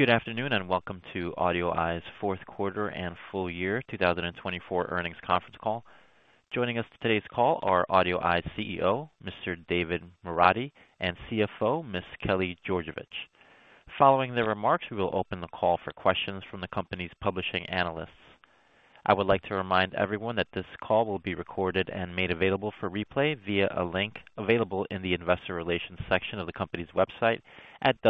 Good afternoon and welcome to AudioEye's Fourth Quarter And Full Year 2024 Earnings Conference Call. Joining us today's call are AudioEye CEO, Mr. David Moradi, and CFO, Ms. Kelly Georgevich. Following their remarks, we will open the call for questions from the company's publishing analysts. I would like to remind everyone that this call will be recorded and made available for replay via a link available in the investor relations section of the company's website at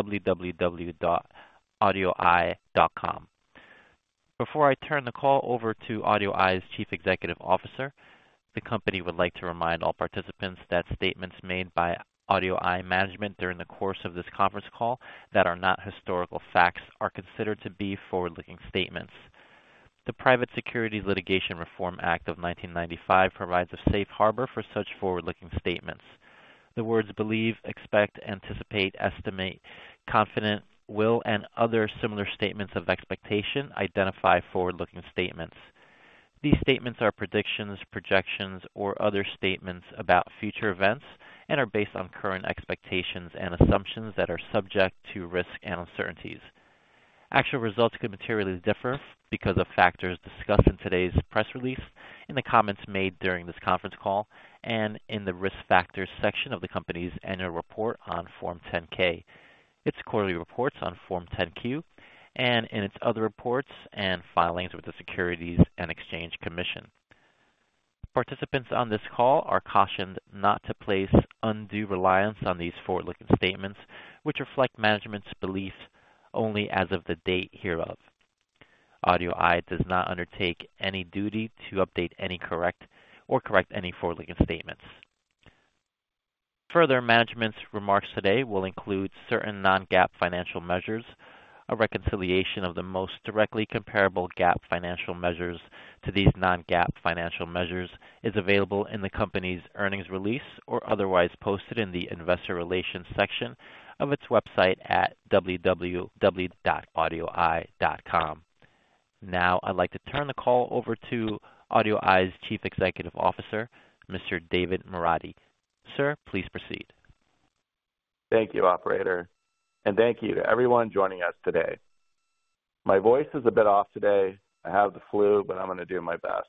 www.audioeye.com. Before I turn the call over to AudioEye's Chief Executive Officer, the company would like to remind all participants that statements made by AudioEye management during the course of this conference call that are not historical facts are considered to be forward-looking statements. The Private Securities Litigation Reform Act of 1995 provides a safe harbor for such forward-looking statements. The words believe, expect, anticipate, estimate, confident, will, and other similar statements of expectation identify forward-looking statements. These statements are predictions, projections, or other statements about future events and are based on current expectations and assumptions that are subject to risk and uncertainties. Actual results could materially differ because of factors discussed in today's press release, in the comments made during this conference call, and in the risk factors section of the company's annual report on Form 10-K, its quarterly reports on Form 10-Q, and in its other reports and filings with the Securities and Exchange Commission. Participants on this call are cautioned not to place undue reliance on these forward-looking statements, which reflect management's beliefs only as of the date hereof. AudioEye does not undertake any duty to update or correct any forward-looking statements. Further, management's remarks today will include certain non-GAAP financial measures. A reconciliation of the most directly comparable GAAP financial measures to these non-GAAP financial measures is available in the company's earnings release or otherwise posted in the investor relations section of its website at www.audioeye.com. Now, I'd like to turn the call over to AudioEye's Chief Executive Officer, Mr. David Moradi. Sir, please proceed. Thank you, Operator, and thank you to everyone joining us today. My voice is a bit off today. I have the flu, but I'm going to do my best.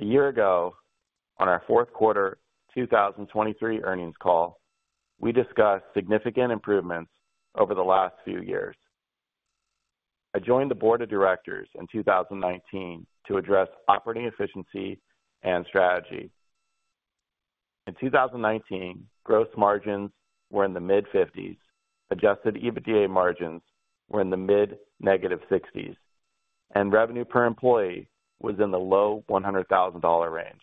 A year ago, on our fourth quarter 2023 earnings call, we discussed significant improvements over the last few years. I joined the board of directors in 2019 to address operating efficiency and strategy. In 2019, gross margins were in the mid-50%, Adjusted EBITDA margins were in the mid-negative 60%, and revenue per employee was in the low $100,000 range.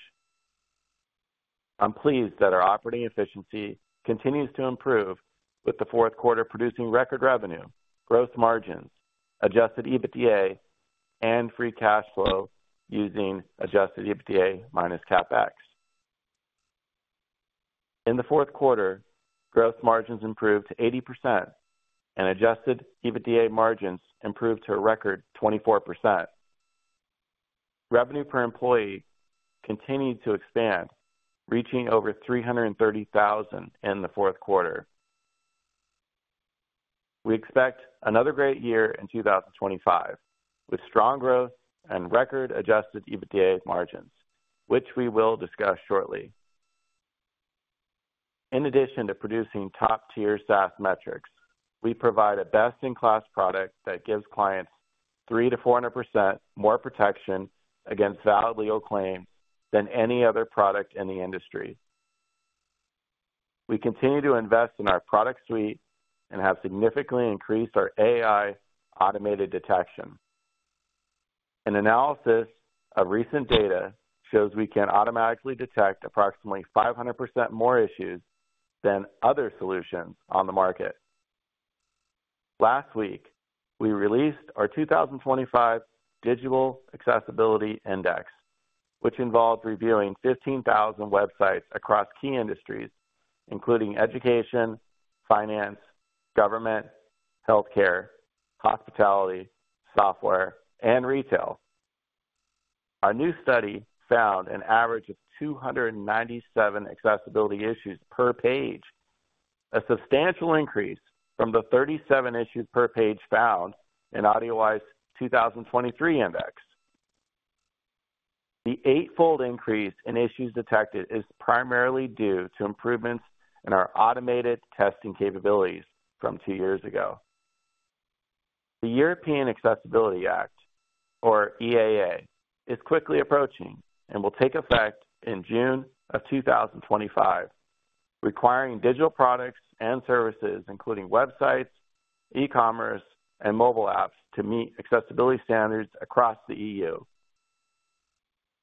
I'm pleased that our operating efficiency continues to improve, with the fourth quarter producing record revenue, gross margins, Adjusted EBITDA, and free cash flow using Adjusted EBITDA minus CapEx. In the fourth quarter, gross margins improved to 80%, and Adjusted EBITDA margins improved to a record 24%. Revenue per employee continued to expand, reaching over $330,000 in the fourth quarter. We expect another great year in 2025, with strong growth and record Adjusted EBITDA margins, which we will discuss shortly. In addition to producing top-tier SaaS metrics, we provide a best-in-class product that gives clients 300%-400% more protection against valid legal claims than any other product in the industry. We continue to invest in our product suite and have significantly increased our AI automated detection. An analysis of recent data shows we can automatically detect approximately 500% more issues than other solutions on the market. Last week, we released our 2025 Digital Accessibility Index, which involved reviewing 15,000 websites across key industries, including education, finance, government, healthcare, hospitality, software, and retail. Our new study found an average of 297 accessibility issues per page, a substantial increase from the 37 issues per page found in AudioEye's 2023 index. The eightfold increase in issues detected is primarily due to improvements in our automated testing capabilities from two years ago. The European Accessibility Act, or EAA, is quickly approaching and will take effect in June of 2025, requiring digital products and services, including websites, e-commerce, and mobile apps, to meet accessibility standards across the EU.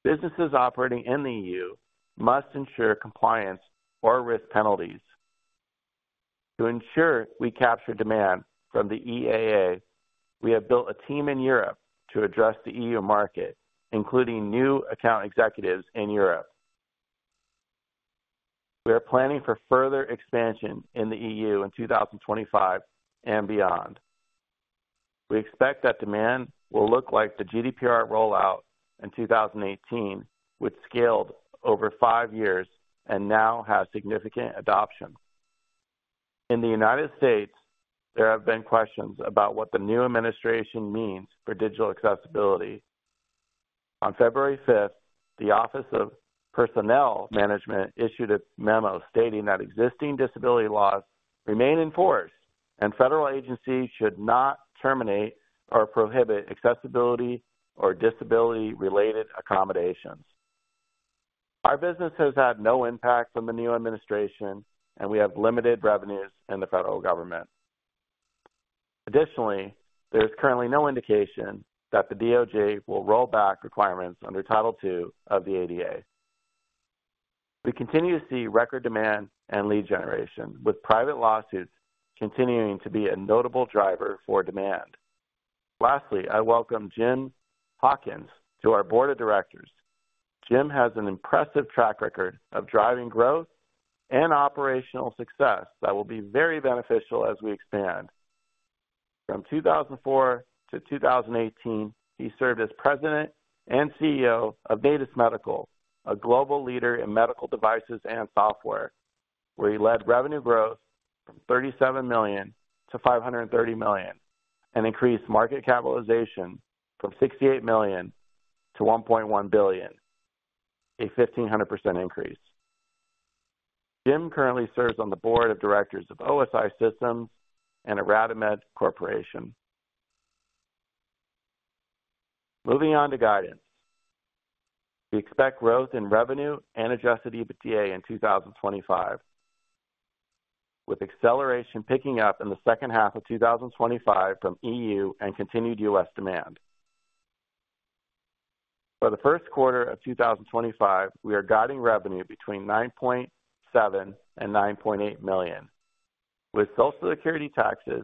Businesses operating in the EU must ensure compliance or risk penalties. To ensure we capture demand from the EAA, we have built a team in Europe to address the EU market, including new account executives in Europe. We are planning for further expansion in the EU in 2025 and beyond. We expect that demand will look like the GDPR rollout in 2018, which scaled over five years and now has significant adoption. In the United States, there have been questions about what the new administration means for digital accessibility. On February 5th, the Office of Personnel Management issued a memo stating that existing disability laws remain in force and federal agencies should not terminate or prohibit accessibility or disability-related accommodations. Our business has had no impact from the new administration, and we have limited revenues in the federal government. Additionally, there is currently no indication that the DOJ will roll back requirements under Title II of the ADA. We continue to see record demand and lead generation, with private lawsuits continuing to be a notable driver for demand. Lastly, I welcome Jim Hawkins to our board of directors. Jim has an impressive track record of driving growth and operational success that will be very beneficial as we expand. From 2004 to 2018, he served as President and CEO of Natus Medical, a global leader in medical devices and software, where he led revenue growth from $37 million to $530 million and increased market capitalization from $68 million to $1.1 billion, a 1,500% increase. Jim currently serves on the board of directors of OSI Systems and ArtaMed Corporation. Moving on to guidance, we expect growth in revenue and Adjusted EBITDA in 2025, with acceleration picking up in the second half of 2025 from EU and continued U.S. demand. For the first quarter of 2025, we are guiding revenue between $9.7 million and $9.8 million. With Social Security taxes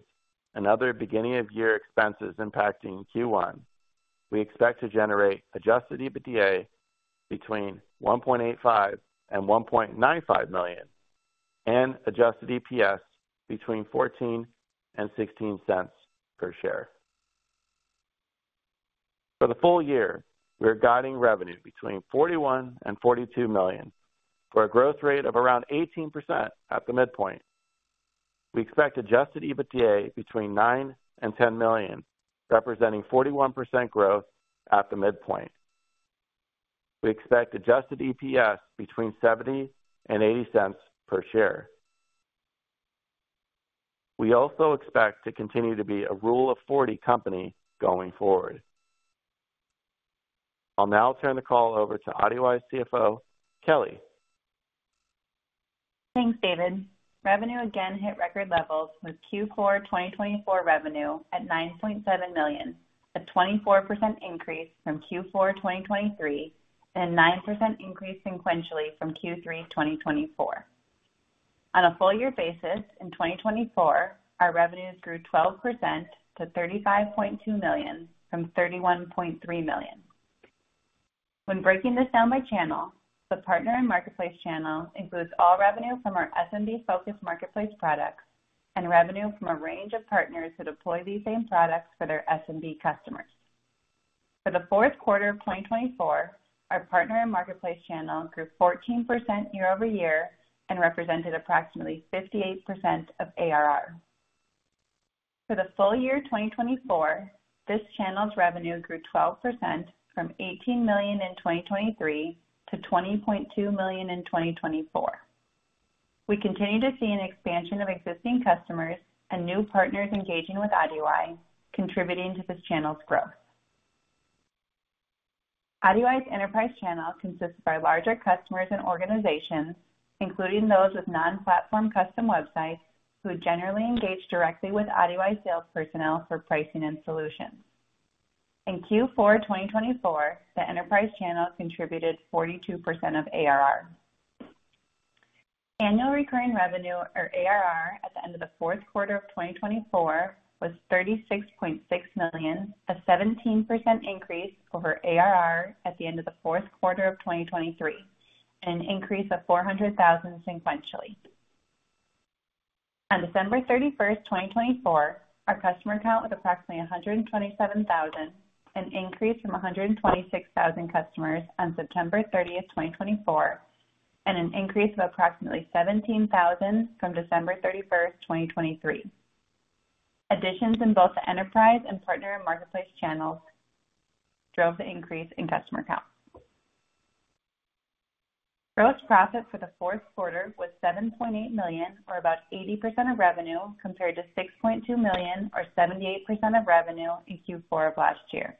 and other beginning-of-year expenses impacting Q1, we expect to generate Adjusted EBITDA between $1.85 and $1.95 million and adjusted EPS between $0.14 and $0.16 per share. For the full year, we are guiding revenue between $41 million and $42 million for a growth rate of around 18% at the midpoint. We expect Adjusted EBITDA between $9 million and $10 million, representing 41% growth at the midpoint. We expect Adjusted EPS between $0.70 and $0.80 per share. We also expect to continue to be a Rule of 40 company going forward. I'll now turn the call over to AudioEye's CFO, Kelly. Thanks, David. Revenue again hit record levels with Q4 2024 revenue at $9.7 million, a 24% increase from Q4 2023 and a 9% increase sequentially from Q3 2024. On a full-year basis, in 2024, our revenues grew 12% to $35.2 million from $31.3 million. When breaking this down by channel, the partner and marketplace channel includes all revenue from our SMB-focused marketplace products and revenue from a range of partners who deploy these same products for their SMB customers. For the fourth quarter of 2024, our partner and marketplace channel grew 14% year-over-year and represented approximately 58% of ARR. For the full year 2024, this channel's revenue grew 12% from $18 million in 2023 to $20.2 million in 2024. We continue to see an expansion of existing customers and new partners engaging with AudioEye, contributing to this channel's growth. AudioEye's enterprise channel consists of our larger customers and organizations, including those with non-platform custom websites who generally engage directly with AudioEye sales personnel for pricing and solutions. In Q4 2024, the enterprise channel contributed 42% of ARR. Annual recurring revenue, or ARR, at the end of the fourth quarter of 2024 was $36.6 million, a 17% increase over ARR at the end of the fourth quarter of 2023, and an increase of $400,000 sequentially. On December 31, 2024, our customer count was approximately 127,000, an increase from 126,000 customers on September 30, 2024, and an increase of approximately 17,000 from December 31, 2023. Additions in both the enterprise and partner and marketplace channels drove the increase in customer count. Gross profit for the fourth quarter was $7.8 million, or about 80% of revenue, compared to $6.2 million, or 78% of revenue in Q4 of last year.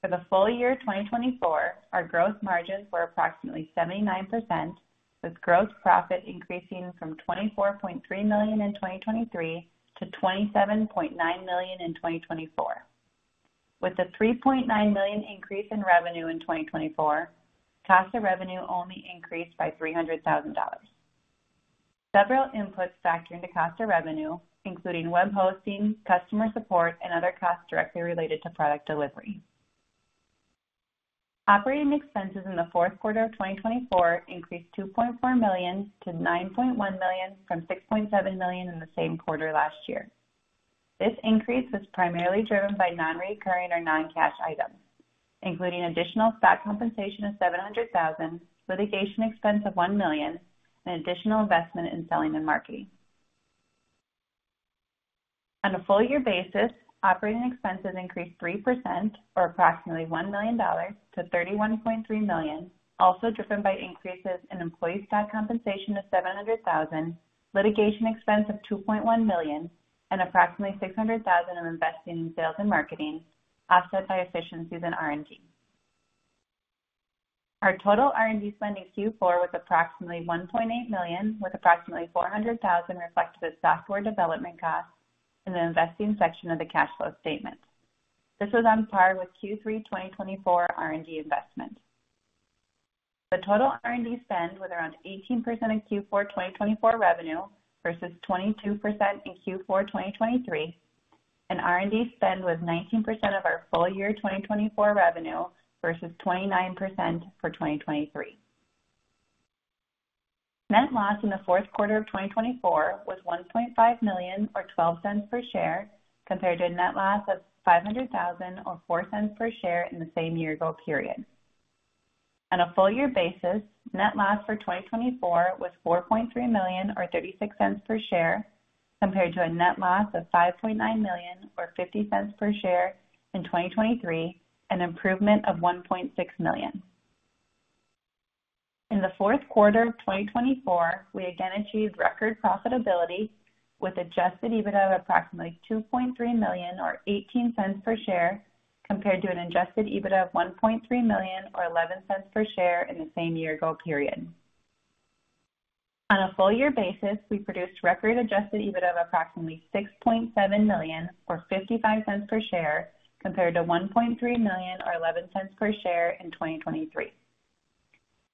For the full year 2024, our gross margins were approximately 79%, with gross profit increasing from $24.3 million in 2023 to $27.9 million in 2024. With a $3.9 million increase in revenue in 2024, cost of revenue only increased by $300,000. Several inputs factored into cost of revenue, including web hosting, customer support, and other costs directly related to product delivery. Operating expenses in the fourth quarter of 2024 increased $2.4 million to $9.1 million from $6.7 million in the same quarter last year. This increase was primarily driven by non-recurring or non-cash items, including additional stock compensation of $700,000, litigation expense of $1 million, and additional investment in selling and marketing. On a full-year basis, operating expenses increased 3%, or approximately $1 million, to $31.3 million, also driven by increases in employee stock compensation of $700,000, litigation expense of $2.1 million, and approximately $600,000 of investing in sales and marketing, offset by efficiencies in R&D. Our total R&D spending Q4 was approximately $1.8 million, with approximately $400,000 reflected as software development costs in the investing section of the cash flow statement. This was on par with Q3 2024 R&D investment. The total R&D spend was around 18% of Q4 2024 revenue versus 22% in Q4 2023, and R&D spend was 19% of our full year 2024 revenue versus 29% for 2023. Net loss in the fourth quarter of 2024 was $1.5 million, or $0.12 per share, compared to a net loss of $500,000, or $0.04 per share in the same year-ago period. On a full-year basis, net loss for 2024 was $4.3 million, or $0.36 per share, compared to a net loss of $5.9 million, or $0.50 per share in 2023, an improvement of $1.6 million. In the fourth quarter of 2024, we again achieved record profitability with Adjusted EBITDA of approximately $2.3 million, or $0.18 per share, compared to an Adjusted EBITDA of $1.3 million, or $0.11 per share in the same year-ago period. On a full-year basis, we produced record Adjusted EBITDA of approximately $6.7 million, or $0.55 per share, compared to $1.3 million, or $0.11 per share in 2023.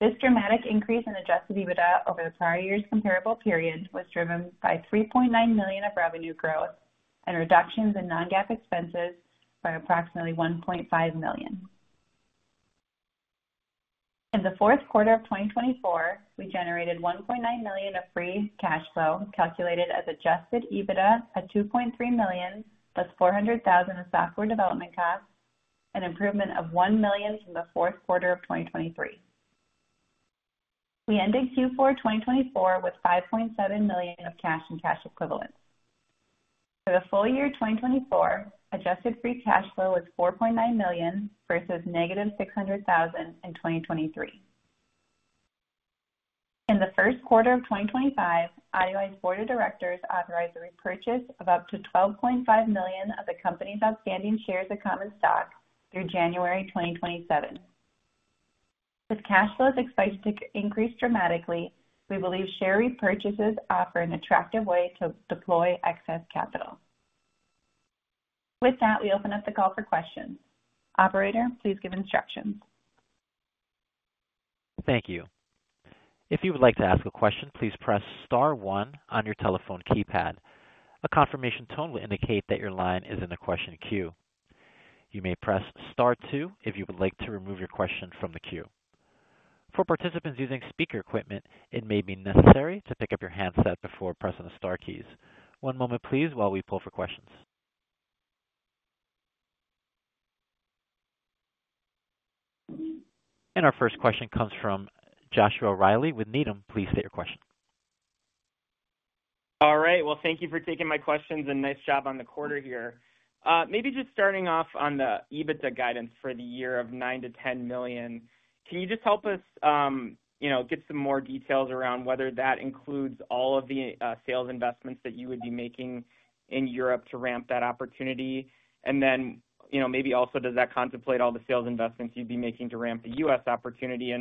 This dramatic increase in Adjusted EBITDA over the prior year's comparable period was driven by $3.9 million of revenue growth and reductions in non-GAAP expenses by approximately $1.5 million. In the fourth quarter of 2024, we generated $1.9 million of free cash flow, calculated as Adjusted EBITDA of $2.3 million, plus $400,000 of software development costs, an improvement of $1 million from the fourth quarter of 2023. We ended Q4 2024 with $5.7 million of cash and cash equivalents. For the full year 2024, adjusted free cash flow was $4.9 million versus negative $600,000 in 2023. In the first quarter of 2025, AudioEye's board of directors authorized a repurchase of up to $12.5 million of the company's outstanding shares of common stock through January 2027. With cash flows expected to increase dramatically, we believe share repurchases offer an attractive way to deploy excess capital. With that, we open up the call for questions. Operator, please give instructions. Thank you. If you would like to ask a question, please press star one on your telephone keypad. A confirmation tone will indicate that your line is in the question queue. You may press star two if you would like to remove your question from the queue. For participants using speaker equipment, it may be necessary to pick up your handset before pressing the star keys. One moment, please, while we pull for questions. Our first question comes from Joshua Reilly with Needham. Please state your question. All right. Thank you for taking my questions and nice job on the quarter here. Maybe just starting off on the EBITDA guidance for the year of $9million-$10 million, can you just help us get some more details around whether that includes all of the sales investments that you would be making in Europe to ramp that opportunity? Maybe also, does that contemplate all the sales investments you'd be making to ramp the U.S. opportunity?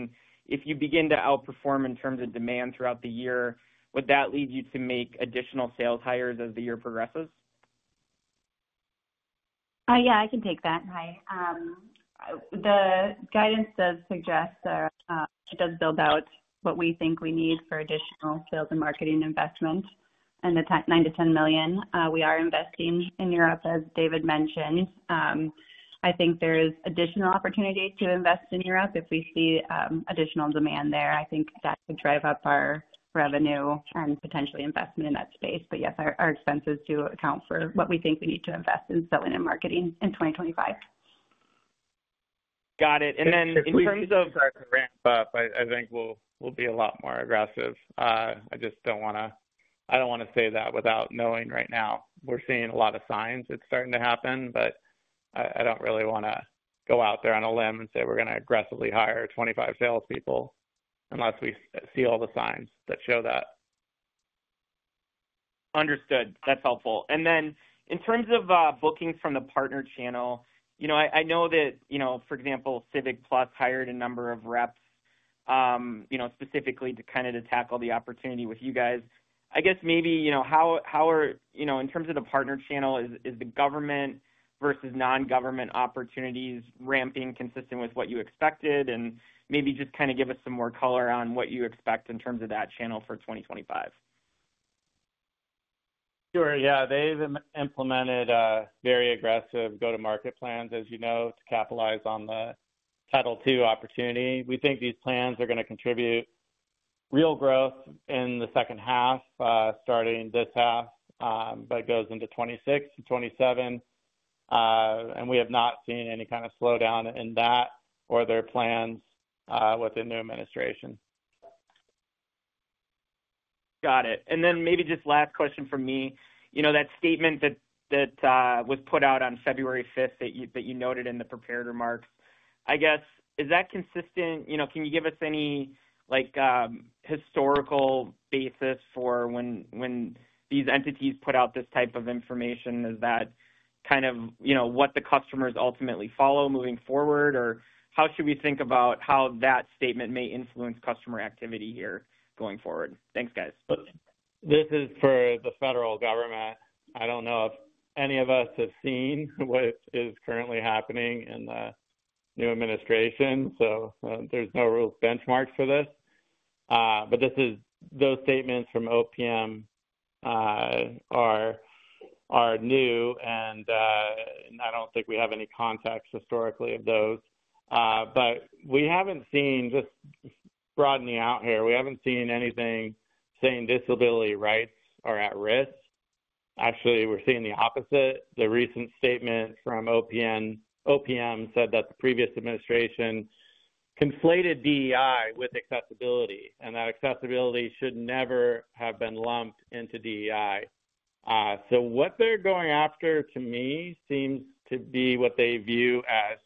If you begin to outperform in terms of demand throughout the year, would that lead you to make additional sales hires as the year progresses? Yeah, I can take that. Hi. The guidance does suggest that it does build out what we think we need for additional sales and marketing investment in the $9million-$10 million. We are investing in Europe, as David mentioned. I think there is additional opportunity to invest in Europe if we see additional demand there. I think that could drive up our revenue and potentially investment in that space. Yes, our expenses do account for what we think we need to invest in selling and marketing in 2025. Got it. In terms of. I think in terms of ramp up, I think we'll be a lot more aggressive. I just don't want to—I don't want to say that without knowing right now. We're seeing a lot of signs it's starting to happen, but I don't really want to go out there on a limb and say we're going to aggressively hire 25 salespeople unless we see all the signs that show that. Understood. That's helpful. In terms of bookings from the partner channel, I know that, for example, CivicPlus hired a number of reps specifically to kind of tackle the opportunity with you guys. I guess maybe how are—in terms of the partner channel, is the government versus non-government opportunities ramping consistent with what you expected? Maybe just kind of give us some more color on what you expect in terms of that channel for 2025. Sure. Yeah. They've implemented very aggressive go-to-market plans, as you know, to capitalize on the Title II opportunity. We think these plans are going to contribute real growth in the second half, starting this half, but it goes into 2026 and 2027. We have not seen any kind of slowdown in that or their plans with the new administration. Got it. Maybe just last question from me. That statement that was put out on February 5 that you noted in the prepared remarks, I guess, is that consistent? Can you give us any historical basis for when these entities put out this type of information? Is that kind of what the customers ultimately follow moving forward? How should we think about how that statement may influence customer activity here going forward? Thanks, guys. This is for the federal government. I don't know if any of us have seen what is currently happening in the new administration, so there's no real benchmarks for this. Those statements from OPM are new, and I don't think we have any context historically of those. We haven't seen, just broadening out here, we haven't seen anything saying disability rights are at risk. Actually, we're seeing the opposite. The recent statement from OPM said that the previous administration conflated DEI with accessibility, and that accessibility should never have been lumped into DEI. What they're going after, to me, seems to be what they view as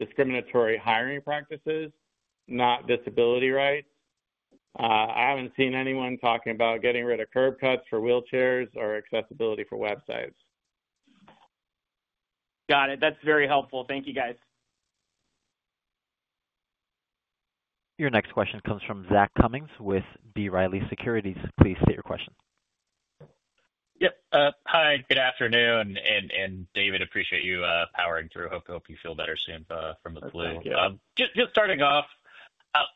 discriminatory hiring practices, not disability rights. I haven't seen anyone talking about getting rid of curb cuts for wheelchairs or accessibility for websites. Got it. That's very helpful. Thank you, guys. Your next question comes from Zach Cummins with B. Riley Securities. Please state your question. Yep. Hi. Good afternoon. David, appreciate you powering through. Hope you feel better soon from the flu. Thank you. Just starting off,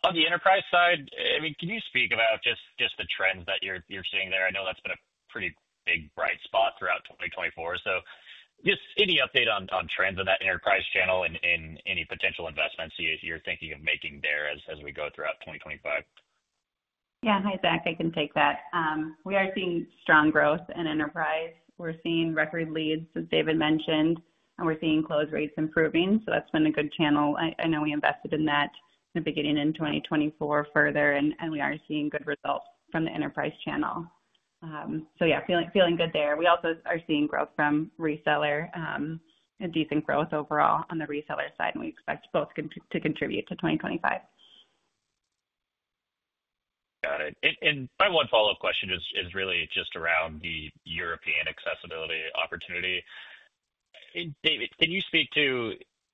on the enterprise side, I mean, can you speak about just the trends that you're seeing there? I know that's been a pretty big bright spot throughout 2024. Just any update on trends in that enterprise channel and any potential investments you're thinking of making there as we go throughout 2025? Yeah. Hi, Zach. I can take that. We are seeing strong growth in enterprise. We're seeing record leads, as David mentioned, and we're seeing Closed Won rates improving. That has been a good channel. I know we invested in that in the beginning in 2024 further, and we are seeing good results from the enterprise channel. Yeah, feeling good there. We also are seeing growth from reseller, a decent growth overall on the reseller side, and we expect both to contribute to 2025. Got it. My one follow-up question is really just around the European accessibility opportunity. David, can you speak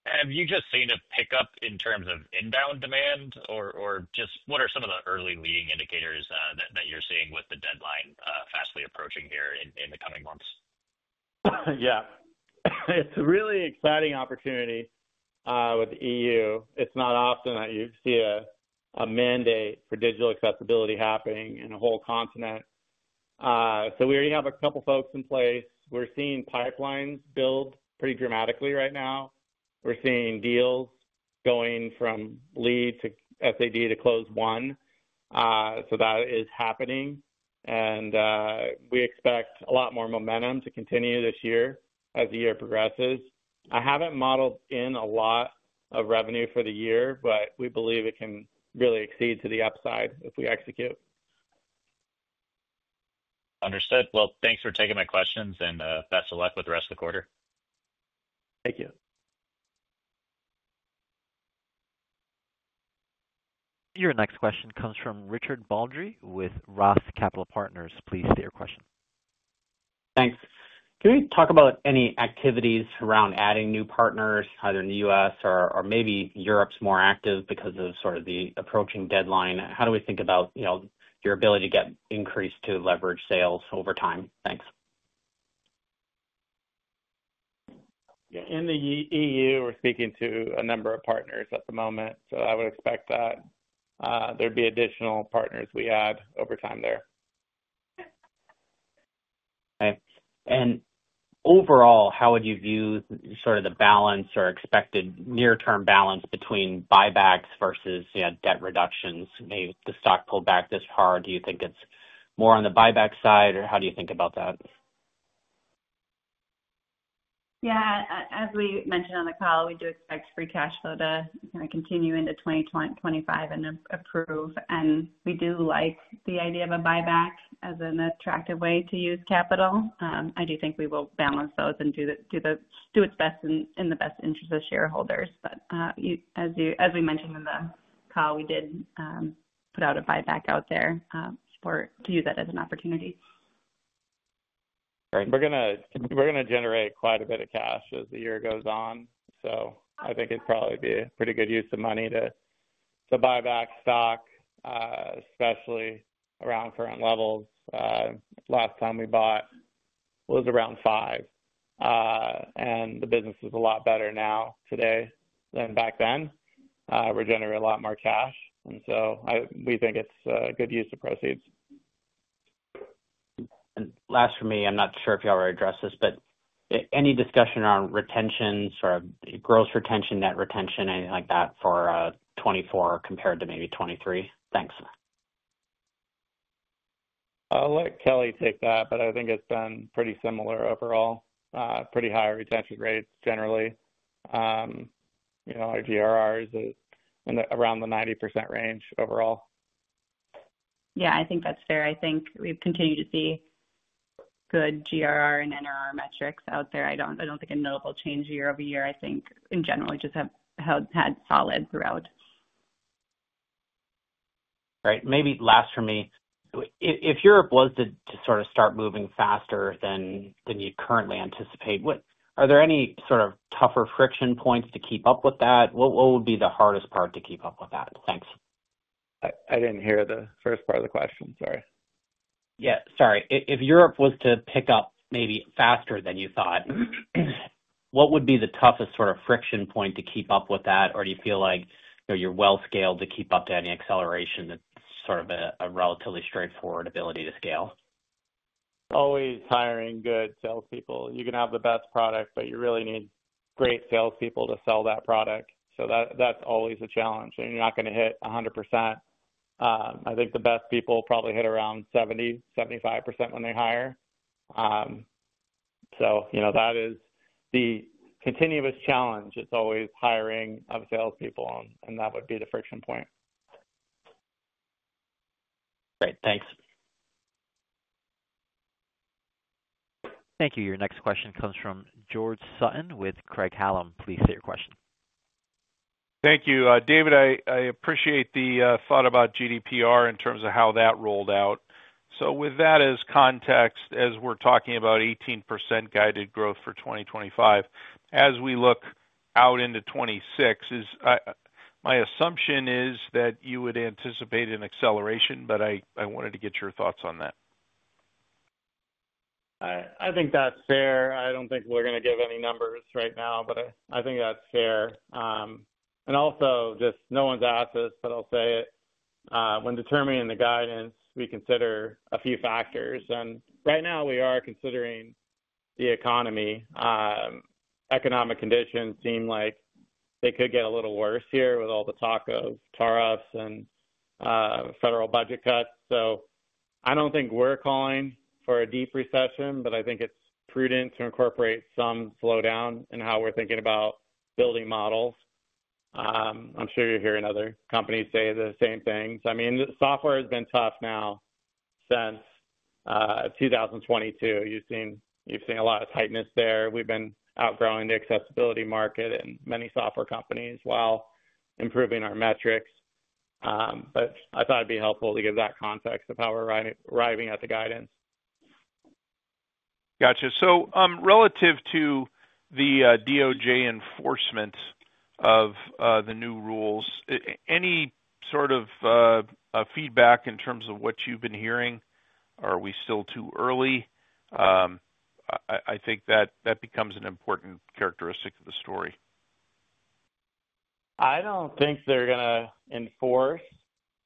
to—have you just seen a pickup in terms of inbound demand, or just what are some of the early leading indicators that you're seeing with the deadline fastly approaching here in the coming months? Yeah. It's a really exciting opportunity with the EU. It's not often that you see a mandate for digital accessibility happening in a whole continent. We already have a couple of folks in place. We're seeing pipelines build pretty dramatically right now. We're seeing deals going from lead to SAL to Closed Won. That is happening. We expect a lot more momentum to continue this year as the year progresses. I haven't modeled in a lot of revenue for the year, but we believe it can really exceed to the upside if we execute. Understood. Thanks for taking my questions, and best of luck with the rest of the quarter. Thank you. Your next question comes from Richard Baldry with Roth Capital Partners. Please state your question. Thanks. Can we talk about any activities around adding new partners, either in the U.S. or maybe Europe is more active because of sort of the approaching deadline? How do we think about your ability to get increased leverage to sales over time? Thanks. Yeah. In the EU, we're speaking to a number of partners at the moment. I would expect that there would be additional partners we add over time there. Okay. Overall, how would you view sort of the balance or expected near-term balance between buybacks versus debt reductions? Maybe the stock pulled back this far. Do you think it's more on the buyback side, or how do you think about that? Yeah. As we mentioned on the call, we do expect free cash flow to kind of continue into 2025 and improve. We do like the idea of a buyback as an attractive way to use capital. I do think we will balance those and do its best in the best interest of shareholders. As we mentioned in the call, we did put out a buyback out there to use that as an opportunity. Right. We're going to generate quite a bit of cash as the year goes on. I think it'd probably be a pretty good use of money to buy back stock, especially around current levels. Last time we bought, it was around $5. The business is a lot better now today than back then. We're generating a lot more cash. We think it's a good use of proceeds. Last for me, I'm not sure if y'all already addressed this, but any discussion around retention, sort of gross retention, net retention, anything like that for 2024 compared to maybe 2023? Thanks. I'll let Kelly take that, but I think it's been pretty similar overall. Pretty high retention rates generally. Our GRR is around the 90% range overall. Yeah, I think that's fair. I think we've continued to see good GRR and NRR metrics out there. I don't think a notable change year over year. I think, in general, we just have had solid throughout. Right. Maybe last for me, if Europe was to sort of start moving faster than you currently anticipate, are there any sort of tougher friction points to keep up with that? What would be the hardest part to keep up with that? Thanks. I didn't hear the first part of the question. Sorry. Yeah. Sorry. If Europe was to pick up maybe faster than you thought, what would be the toughest sort of friction point to keep up with that? Or do you feel like you're well-scaled to keep up to any acceleration that's sort of a relatively straightforward ability to scale? Always hiring good salespeople. You can have the best product, but you really need great salespeople to sell that product. That is always a challenge. You are not going to hit 100%. I think the best people probably hit around 70%-75% when they hire. That is the continuous challenge. It is always hiring of salespeople, and that would be the friction point. Great. Thanks. Thank you. Your next question comes from George Sutton with Craig-Hallum. Please state your question. Thank you. David, I appreciate the thought about GDPR in terms of how that rolled out. With that as context, as we're talking about 18% guided growth for 2025, as we look out into 2026, my assumption is that you would anticipate an acceleration, but I wanted to get your thoughts on that. I think that's fair. I don't think we're going to give any numbers right now, but I think that's fair. Also, just no one's asked this, but I'll say it. When determining the guidance, we consider a few factors. Right now, we are considering the economy. Economic conditions seem like they could get a little worse here with all the talk of tariffs and federal budget cuts. I don't think we're calling for a deep recession, but I think it's prudent to incorporate some slowdown in how we're thinking about building models. I'm sure you'll hear another company say the same thing. I mean, software has been tough now since 2022. You've seen a lot of tightness there. We've been outgrowing the accessibility market and many software companies while improving our metrics. I thought it'd be helpful to give that context of how we're arriving at the guidance. Gotcha. Relative to the DOJ enforcement of the new rules, any sort of feedback in terms of what you've been hearing? Are we still too early? I think that becomes an important characteristic of the story. I don't think they're going to enforce.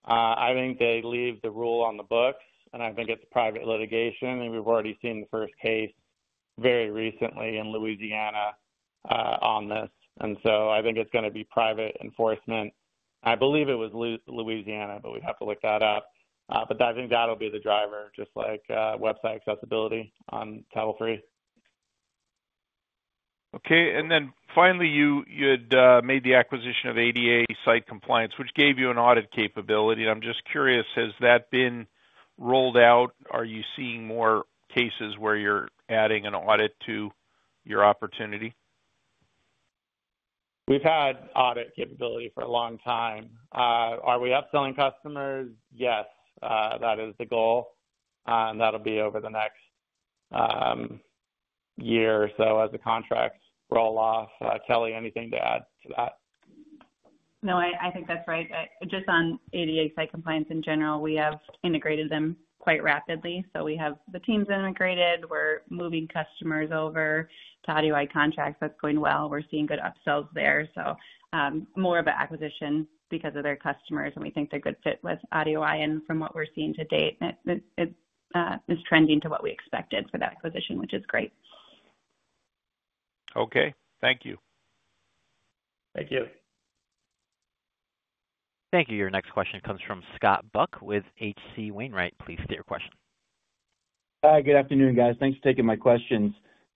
I think they leave the rule on the books, and I think it's private litigation. We've already seen the first case very recently in Louisiana on this. I think it's going to be private enforcement. I believe it was Louisiana, but we'd have to look that up. I think that'll be the driver, just like website accessibility on Title III. Okay. Finally, you had made the acquisition of ADA Site Compliance, which gave you an audit capability. I'm just curious, has that been rolled out? Are you seeing more cases where you're adding an audit to your opportunity? We've had audit capability for a long time. Are we upselling customers? Yes. That is the goal. That'll be over the next year or so as the contracts roll off. Kelly, anything to add to that? No, I think that's right. Just on ADA Site Compliance in general, we have integrated them quite rapidly. We have the teams integrated. We're moving customers over to AudioEye contracts. That's going well. We're seeing good upsells there. More of an acquisition because of their customers, and we think they're a good fit with AudioEye. From what we're seeing to date, it's trending to what we expected for that acquisition, which is great. Okay. Thank you. Thank you. Thank you. Your next question comes from Scott Buck with H.C. Wainwright. Please state your question. Hi. Good afternoon, guys. Thanks for taking my questions.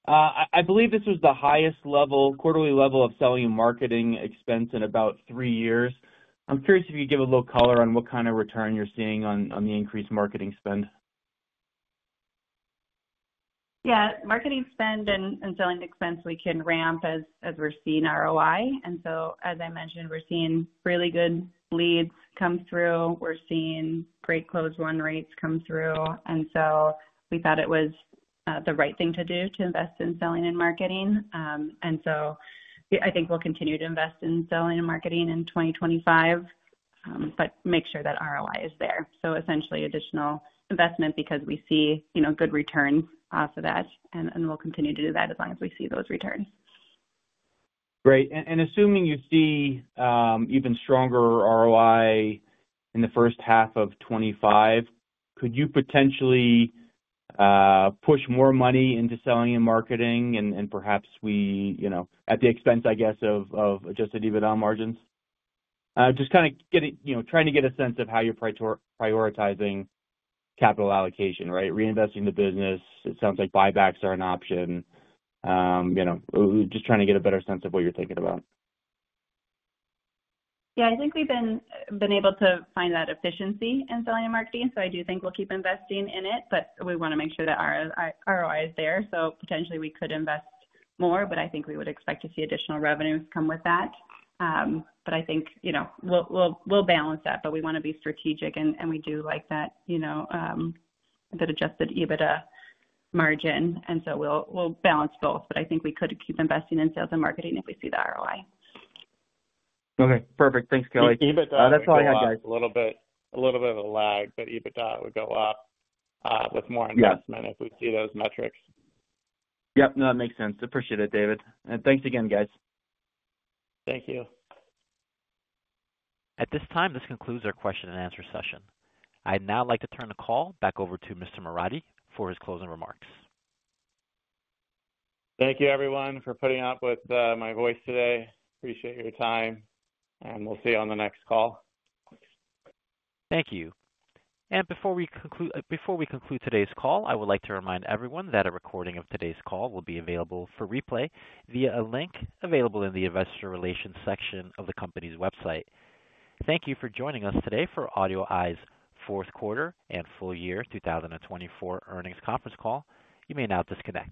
I believe this was the highest level, quarterly level of selling and marketing expense in about three years. I'm curious if you could give a little color on what kind of return you're seeing on the increased marketing spend. Yeah. Marketing spend and selling expense, we can ramp as we're seeing ROI. As I mentioned, we're seeing really good leads come through. We're seeing great Closed Won rates come through. We thought it was the right thing to do to invest in selling and marketing. I think we'll continue to invest in selling and marketing in 2025, but make sure that ROI is there. Essentially, additional investment because we see good returns off of that. We'll continue to do that as long as we see those returns. Great. Assuming you see even stronger ROI in the first half of 2025, could you potentially push more money into selling and marketing and perhaps at the expense, I guess, of Adjusted EBITDA margins? Just kind of trying to get a sense of how you're prioritizing capital allocation, right? Reinvesting the business. It sounds like buybacks are an option. Just trying to get a better sense of what you're thinking about. Yeah. I think we've been able to find that efficiency in selling and marketing. I do think we'll keep investing in it, but we want to make sure that ROI is there. Potentially, we could invest more, but I think we would expect to see additional revenues come with that. I think we'll balance that, we want to be strategic, and we do like that Adjusted EBITDA margin. We'll balance both, I think we could keep investing in sales and marketing if we see the ROI. Okay. Perfect. Thanks, Kelly. EBITDA, that's all I had, guys. A little bit of a lag, but EBITDA would go up with more investment if we see those metrics. Yep. No, that makes sense. Appreciate it, David. Thanks again, guys. Thank you. At this time, this concludes our question and answer session. I'd now like to turn the call back over to Mr. Moradi for his closing remarks. Thank you, everyone, for putting up with my voice today. Appreciate your time. We'll see you on the next call. Thank you. Before we conclude today's call, I would like to remind everyone that a recording of today's call will be available for replay via a link available in the investor relations section of the company's website. Thank you for joining us today for AudioEye's Fourth Quarter And Full Year 2024 Earnings Conference Call. You may now disconnect.